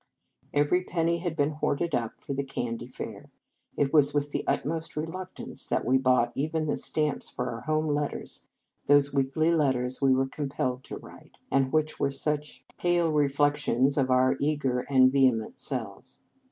Every penny had been hoarded up for the candy fair. It was with the utmost reluctance that we bought even the stamps for our home letters, those weekly letters we were com pelled to write, and which were such 206 Reverend Mother s Feast pale reflections of our eager and vehe ment selves.